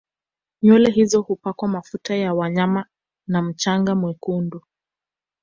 Nywele hizo hupakwa mafuta ya wanyama na mchanga mwekundu